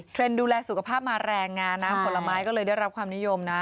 ดูแลสุขภาพมาแรงงานน้ำผลไม้ก็เลยได้รับความนิยมนะ